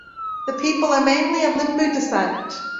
The people are mainly of Limbu descent.